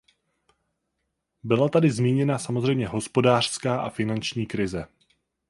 Byla tady zmíněna samozřejmě hospodářská a finanční krize.